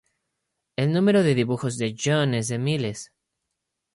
El número de dibujos de John es de miles.